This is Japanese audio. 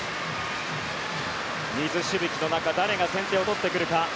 水しぶきの中誰が先手を取ってくるか。